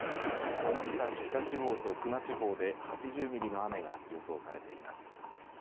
天草・芦北地方と球磨地方で８０ミリの雨が予想されています。